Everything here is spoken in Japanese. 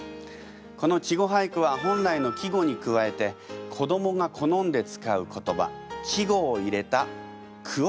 この稚語俳句は本来の季語に加えて子どもが好んで使う言葉稚語を入れた句をいいます。